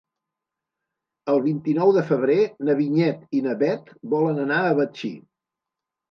El vint-i-nou de febrer na Vinyet i na Bet volen anar a Betxí.